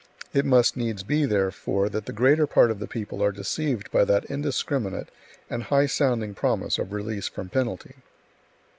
It must needs be, therefore, that the greater part of the people are deceived by that indiscriminate and highsounding promise of release from penalty.